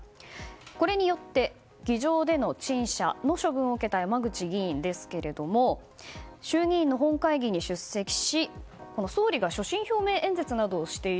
これによって議場での陳謝の処分を受けた山口議員ですが衆議院の本会議に出席し総理が所信表明演説などをしている